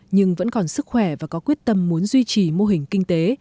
nhưng vẫn còn sức khỏe và có quyết tâm muốn duy trì mô hình kinh tế